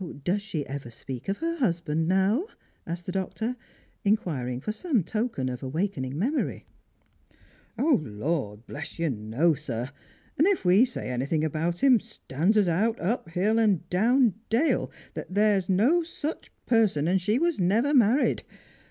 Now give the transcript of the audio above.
"Does she ever speak of her husband nowP" asked the doctor, inquiring for some token of awakening memory. " Lord bless you, no, sir ; and if we say anything about him, stands us out, up hill and down dale, that there's no such person, and that she never was married.